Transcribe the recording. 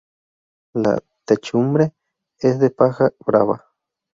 La techumbre es de paja brava.